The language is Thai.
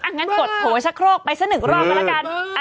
อย่างงั้นกดโถสะโครกไปสักเหรอบก็แล้วกัน